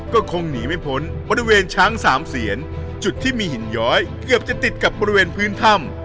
ก็คงหนีไม่พ้นบริเวณช้างสามเสียนจุดที่มีหินย้อยเกือบจะติดกับบริเวณพื้นถ้ำ